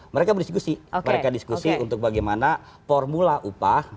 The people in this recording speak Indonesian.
mereka berdiskusi mereka diskusi untuk bagaimana formula upah